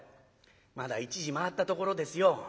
「まだ１時回ったところですよ」。